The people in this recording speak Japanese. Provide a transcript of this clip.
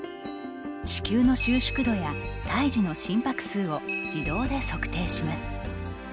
子宮の収縮度や胎児の心拍数を自動で測定します。